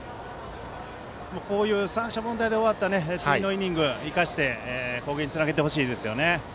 こういう三者凡退で終わった次のイニング生かして攻撃につなげてほしいです。